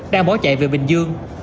đang bó chạy về bình dương